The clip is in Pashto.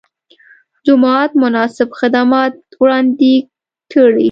جومات مناسب خدمتونه وړاندې کړي.